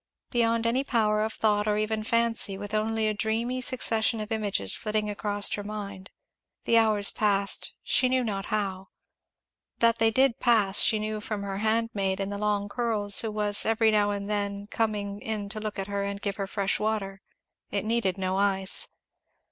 Beyond any power of thought or even fancy, with only a dreamy succession of images flitting across her mind, the hours passed she knew not how; that they did pass she knew from her handmaid in the long curls who was every now and then coming in to look at her and give her fresh water; it needed no ice.